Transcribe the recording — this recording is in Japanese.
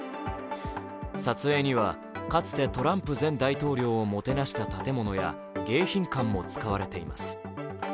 撮影にはかつてトランプ前大統領をもてなした建物や迎賓館も使われています。